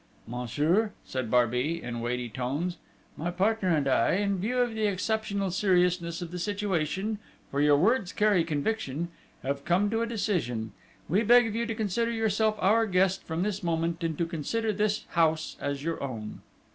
"Monsieur," said Barbey, in weighty tones, "my partner and I, in view of the exceptional seriousness of the situation, for your words carry conviction have come to a decision: we beg of you to consider yourself our guest from this moment, and to consider this house as your own!"